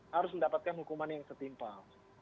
harus mendapatkan hukuman yang setimpal